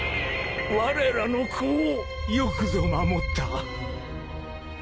われらの子をよくぞ守った！